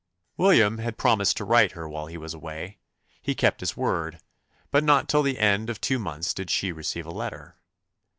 William had promised to write to her while he was away: he kept his word; but not till the end of two months did she receive a letter.